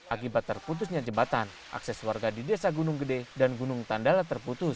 akibat terputusnya jembatan akses warga di desa gunung gede dan gunung tandala terputus